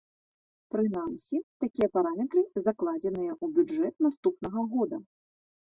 Прынамсі, такія параметры закладзеныя ў бюджэт наступнага года.